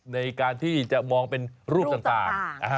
ในการที่จะมองเป็นรูปต่าง